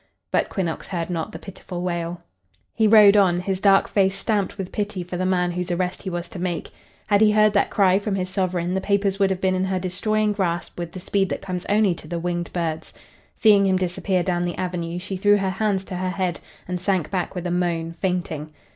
But Quinnox heard not the pitiful wail. He rode on, his dark face stamped with pity for the man whose arrest he was to make. Had he heard that cry from his sovereign the papers would have been in her destroying grasp with the speed that comes only to the winged birds. Seeing him disappear down the avenue, she threw her hands to her head and sank back with a moan, fainting.